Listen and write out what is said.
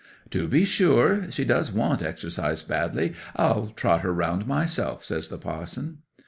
'"To be sure, she does want exercise badly. I'll trot her round myself," says the parson.